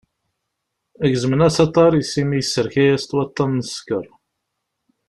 Gezmen-as aṭar-is, imi ysserka-as-t waṭṭan n ssker.